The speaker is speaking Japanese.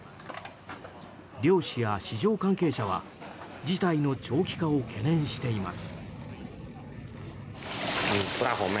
漁師や市場関係者は事態の長期化を懸念しています。